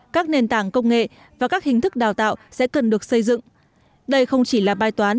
các nền tảng công nghệ và các hình thức đào tạo sẽ cần được xây dựng đây không chỉ là bài toán